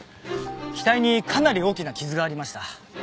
額にかなり大きな傷がありました。